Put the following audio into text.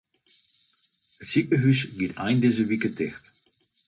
It sikehús giet ein dizze wike ticht.